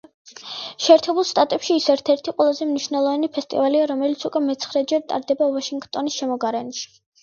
შეერთებულ შტატებში ის ერთ-ერთი ყველაზე მნიშვნელოვანი ფესტივალია, რომელიც უკვე მეცხრეჯერ ტარდება ვაშინგტონის შემოგარენში.